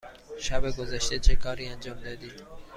شب گذشته چه کاری انجام دادی؟